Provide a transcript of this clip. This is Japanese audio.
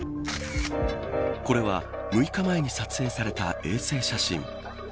これは６日前に撮影された衛星写真。